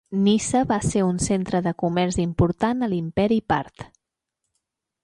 Nisa va ser un centre de comerç important a l'imperi Part.